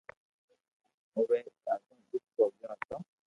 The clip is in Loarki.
اووي ڌاڌو دوک ڀوگيو ھتو